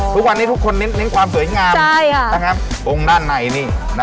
ทุกวันนี้ทุกคนเน้นความสวยงามองค์ด้านในนี่